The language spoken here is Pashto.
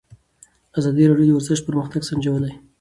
ازادي راډیو د ورزش پرمختګ سنجولی.